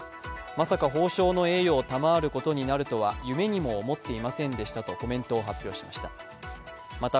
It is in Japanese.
まさか褒章の栄誉を賜ることになるとは夢にも思っていませんでしたとコメントを発表しました。